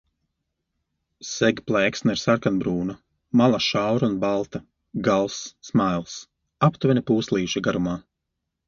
Segplēksne ir sarkanbrūna, mala šaura un balta, gals smails, aptuveni pūslīša garumā.